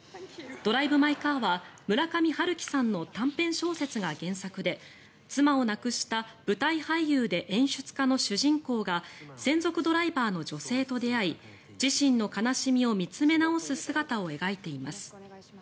「ドライブ・マイ・カー」は村上春樹さんの短編小説が原作で妻を亡くした舞台俳優で演出家の主人公が専属ドライバーの女性と出会い自身の悲しみを見つめ直す姿を描いています。